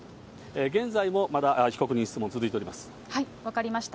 現在もまだ被告人質問、分かりました。